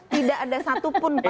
tidak ada satupun pak